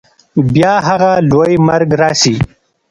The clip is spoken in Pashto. بیا هغه لوی مرګ راسي